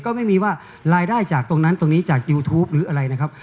ก็ไม่มีว่ารายได้จากตรงนั้นตรงนี้จากยูทูปหรืออะไรนะครับ